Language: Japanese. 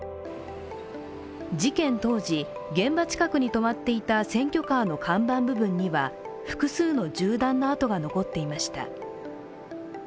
事件当時、現場近くに止まっていた選挙カーの看板部分には複数の銃弾のあとが残っていました。